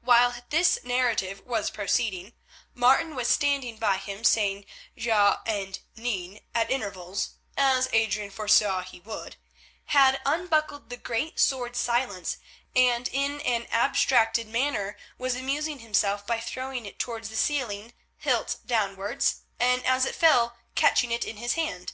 While this narrative was proceeding, Martin, who was standing by him saying "Ja" and "Neen" at intervals, as Adrian foresaw he would, had unbuckled the great sword Silence, and in an abstracted manner was amusing himself by throwing it towards the ceiling hilt downwards, and as it fell catching it in his hand.